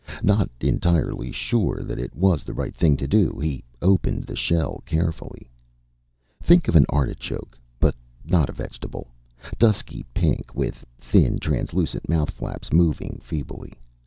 Not entirely sure that it was the right thing to do, he opened the shell carefully. Think of an artichoke ... but not a vegetable. Dusky pink, with thin, translucent mouth flaps moving feebly.